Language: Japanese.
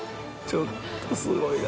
ちょっとすごいな。